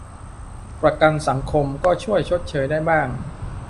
ประกันสังคมก็ช่วยชดเชยได้บ้าง